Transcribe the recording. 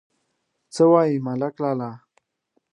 _څه وايي ملک لالا!